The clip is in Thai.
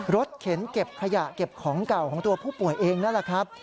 เข็นเก็บขยะเก็บของเก่าของตัวผู้ป่วยเองนั่นแหละครับ